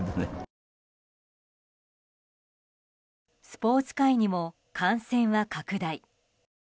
スポーツ界にも感染は拡大。